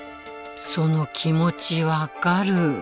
その気持ち分かる。